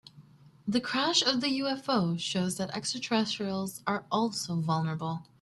The crash of the UFO shows that extraterrestrials are also vulnerable.